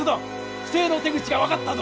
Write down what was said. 不正の手口が分かったぞ！